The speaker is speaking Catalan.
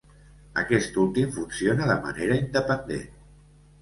Aquest últim funciona de manera independent.